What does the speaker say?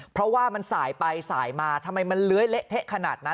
เพราะว่ามันสายไปสายมาทำไมมันเลื้อยเละเทะขนาดนั้น